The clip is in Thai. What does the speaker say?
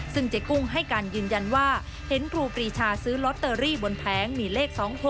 ซึ่งเจ๊กุ้งให้การยืนยันว่าเห็นครูปรีชาซื้อลอตเตอรี่บนแผงมีเลข๒๖